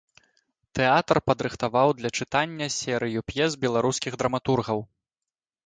Тэатр падрыхтаваў для чытання серыю п'ес беларускіх драматургаў.